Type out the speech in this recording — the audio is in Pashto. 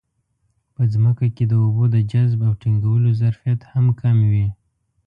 په ځمکه کې د اوبو د جذب او ټینګولو ظرفیت هم کم وي.